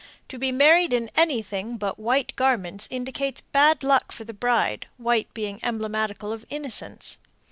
To be married in anything but white garments indicates bad luck for the bride, white being emblematical of innocence.